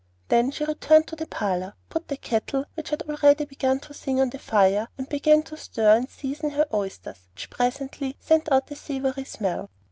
Then she returned to the parlor, put the kettle, which had already begun to sing, on the fire, and began to stir and season her oysters, which presently sent out a savory smell.